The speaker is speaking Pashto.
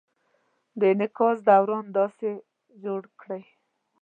د انعکاس دوران داسې جوړ کړئ: